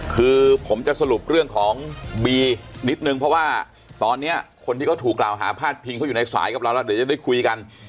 คือผมจะสรุปเรื่องของบีนิดนึงเพราะว่าตอนนี้คนที่เขาถูกกล่าวหาพาดพิงเขาอยู่ในสายกับเราแล้วเดี๋ยวจะได้คุยกัน